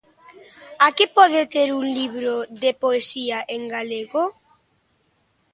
A que pode ter un libro de poesía en galego.